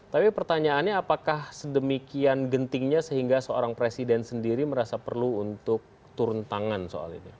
tapi pertanyaannya apakah sedemikian gentingnya sehingga seorang presiden sendiri merasa perlu untuk turun tangan soal ini